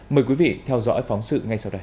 mời quý vị theo dõi phóng sự ngay sau đây